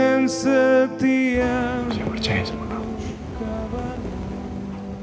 aku percaya sama kamu